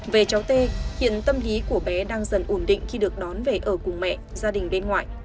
về cháu tê hiện tâm lý của bé đang dần ổn định khi được đón về ở cùng mẹ gia đình bên ngoại